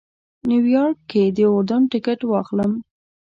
نیویارک کې د اردن ټکټ واخلم.